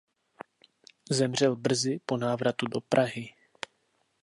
Zemřel brzy po návratu do Prahy.